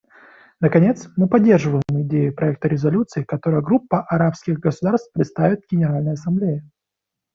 Наконец, мы поддерживаем идею проекта резолюции, который Группа арабских государств представит Генеральной Ассамблее.